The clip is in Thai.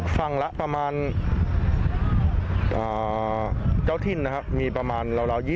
ฟั่งละประมาณ